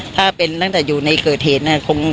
ถ้าเป็นตั้งแต่อยู่ในเกิดเหตุเนี่ยคง